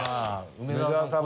梅沢さん